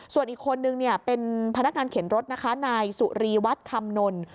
ส่วนอีกคนหนึ่งเป็นพนักงานเข็นรถนายสุรีวัฒน์คำนล